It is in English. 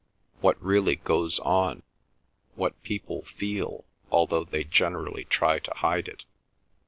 What really goes on, what people feel, although they generally try to hide it?